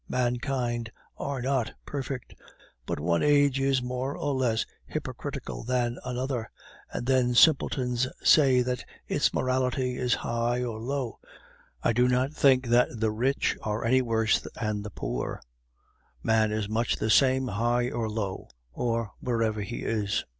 Mankind are not perfect, but one age is more or less hypocritical than another, and then simpletons say that its morality is high or low. I do not think that the rich are any worse than the poor; man is much the same, high or low, or wherever he is.